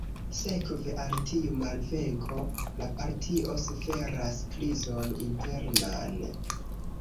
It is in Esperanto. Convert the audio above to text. Sekve al tiu malvenko, la partio suferas krizon internan.